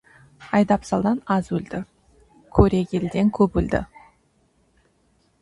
Айдап салдан аз өлді, көре келден көп өлді.